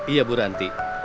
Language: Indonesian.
iya bu ranti